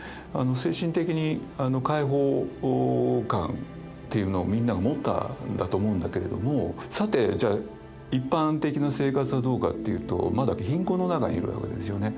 精神的に解放感っていうのをみんなが持ったんだと思うんだけれどもさてじゃあ一般的な生活はどうかっていうとまだ貧困の中にいるわけですよね。